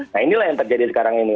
nah inilah yang terjadi sekarang ini